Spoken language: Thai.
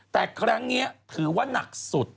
แต่ครั้งนี้ถือว่านักสุด